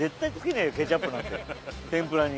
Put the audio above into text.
・ケチャップなんて天ぷらに。